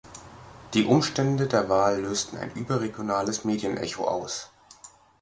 Die Umstände der Wahl lösten ein überregionales Medienecho aus.